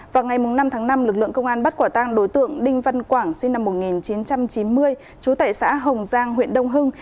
vào ngày năm tháng năm lực lượng công an bắt quả tang đối tượng đinh văn quảng sinh năm một nghìn chín trăm chín mươi trú tại xã hồng giang huyện đông hưng